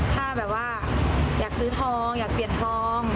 ถ้าแบบว่าอยากซื้อทองอยากเปลี่ยนทอง